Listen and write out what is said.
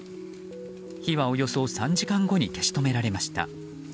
火はおよそ３時間後に消し止められました。